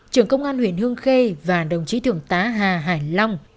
trưởng công an huyện hương khê và đồng chí thượng tá hà hải long